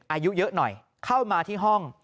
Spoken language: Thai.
อายุเยอะหน่อยเข้ามาที่ห้อง